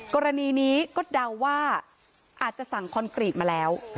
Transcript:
กรณีนี้ก็เดาว่าอาจจะสั่งคอนกรีตมาแล้ว